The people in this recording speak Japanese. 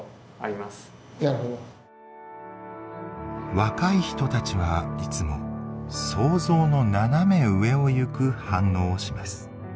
若い人たちはいつも「想像の斜め上をいく」反応をします。